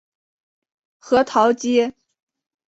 核桃街。